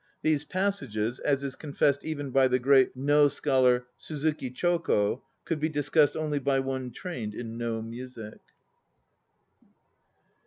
These passages, as is confessed even by the great No scholar, Suzuki Choko, could be discussed only by one trained in No music.